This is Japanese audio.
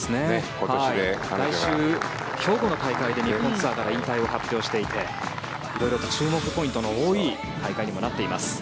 来週、兵庫の大会で日本ツアーから引退を発表していて色々と注目ポイントの多い大会にもなっています。